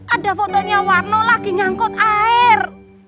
ada fotonya warno lagi ngangkut air